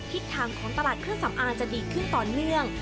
ทิศทางของตลาดเครื่องสำอางจะดีขึ้นต่อเนื่อง